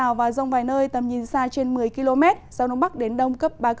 đảo và rông vài nơi tầm nhìn xa trên một mươi km gió đông bắc đến đông cấp ba bốn